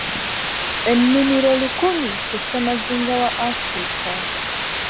Ennimiro lukumi ku ssemazinga w’Afirika.